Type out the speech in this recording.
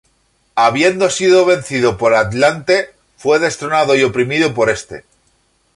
Habiendo sido vencido por Atlante, fue destronado y oprimido por este.